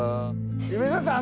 梅沢さん